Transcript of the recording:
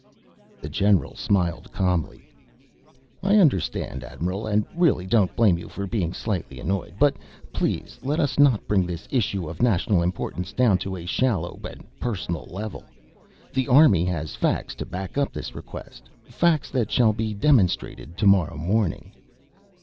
The general smiled calmly. "I understand, Admiral, and really don't blame you for being slightly annoyed. But, please let us not bring this issue of national importance down to a shallow personal level. The Army has facts to back up this request facts that shall be demonstrated tomorrow morning."